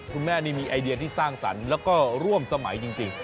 คุณแม่นี่มีไอเดียที่สร้างสรรค์แล้วก็ร่วมสมัยจริง